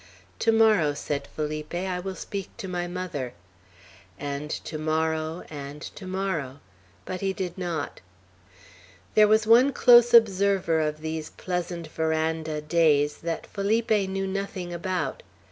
"To morrow," said Felipe, "I will speak to my mother," and "to morrow," and "to morrow;" but he did not. There was one close observer of these pleasant veranda days that Felipe knew nothing about.